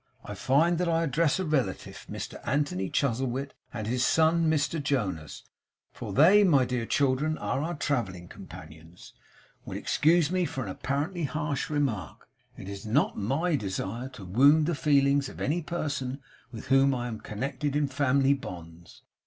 I find that I address a relative, Mr Anthony Chuzzlewit and his son Mr Jonas for they, my dear children, are our travelling companions will excuse me for an apparently harsh remark. It is not MY desire to wound the feelings of any person with whom I am connected in family bonds.